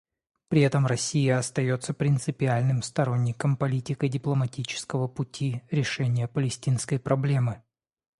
При этом Россия остается принципиальным сторонником политико-дипломатического пути решения палестинской проблемы.